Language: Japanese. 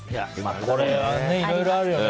これはいろいろあるよね。